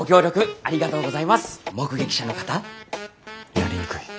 やりにくい。